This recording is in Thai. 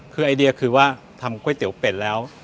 คือไอเดียคือว่าทำก๋วยเตี๋ยวเป็ดแล้ว